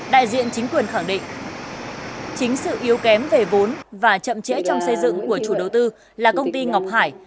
đại diện chính quyền khẳng định chính sự yếu kém về vốn và chậm trễ trong xây dựng của chủ đầu tư là công ty ngọc hải